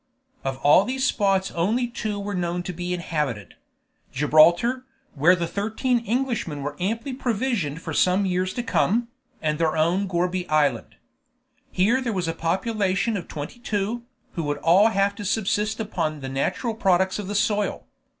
Of all these spots only two were known to be inhabited: Gibraltar, where the thirteen Englishmen were amply provisioned for some years to come, and their own Gourbi Island. Here there was a population of twenty two, who would all have to subsist upon the natural products of the soil.